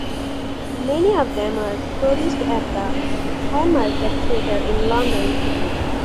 Many of them were produced at the Haymarket Theatre in London.